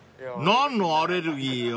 ［何のアレルギーよ？］